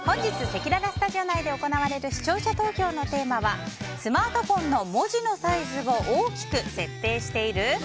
本日せきららスタジオ内で行われる視聴者投票のテーマはスマートフォンの文字のサイズを大きく設定している？